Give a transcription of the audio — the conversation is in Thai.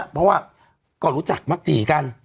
เพราะว่าก็รู้จักมักจีกัน